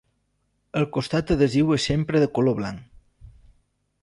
El costat adhesiu és sempre de color blanc.